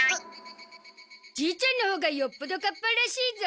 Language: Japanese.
じいちゃんのほうがよっぽどカッパらしいゾ。